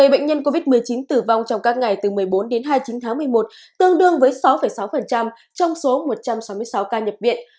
một mươi bệnh nhân covid một mươi chín tử vong trong các ngày từ một mươi bốn đến hai mươi chín tháng một mươi một tương đương với sáu sáu trong số một trăm sáu mươi sáu ca nhập viện